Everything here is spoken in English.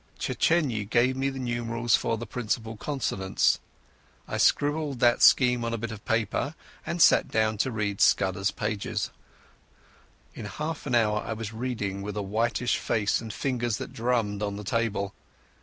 "Czechenyi' gave me the numerals for the principal consonants. I scribbled that scheme on a bit of paper and sat down to read Scudder's pages. In half an hour I was reading with a whitish face and fingers that drummed on the table.